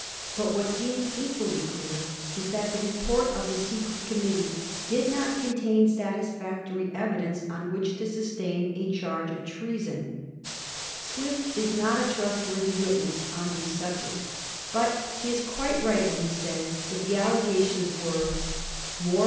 But what seems equally clear is that the report of the Secret Committee did not contain satisfactory evidence on which to sustain a charge of treason. Swift is not a trustworthy witness on these subjects, but he is quite right when he says that the allegations were ^ more Digiti zed by Google 142 A mSTORY OF THE FOUR GEORGES. ch.